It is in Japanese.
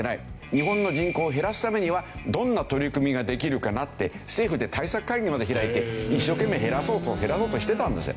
日本の人口を減らすためにはどんな取り組みができるかなって政府で対策会議まで開いて一生懸命減らそうとしてたんです。